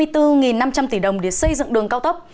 hai mươi bốn năm trăm linh tỷ đồng để xây dựng đường cao tốc